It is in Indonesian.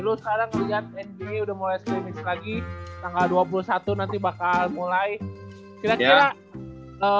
lo sekarang liat nba udah mulai skidmix lagi tanggal dua puluh satu nanti bakal mulai kira kira